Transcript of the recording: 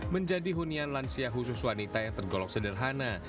menjadi hunian lansia khusus wanita yang tergolong sederhana